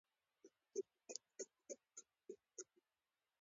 د بسونو له درېدلو سره ماشومانو هجوم راوړ.